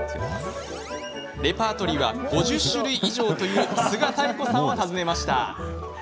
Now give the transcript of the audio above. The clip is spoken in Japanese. レパートリーは５０種類以上という菅妙子さんを訪ねました。